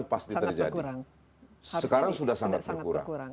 kebocoran pasti terjadi sekarang sudah sangat berkurang